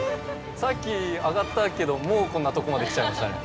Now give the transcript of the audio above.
さっき上がったけどもうこんなとこまできちゃいましたね。